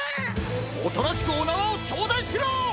おとなしくおなわをちょうだいしろ！